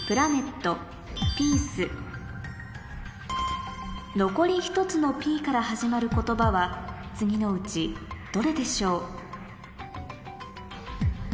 それぞれ残り１つのＰから始まる言葉は次のうちどれでしょう？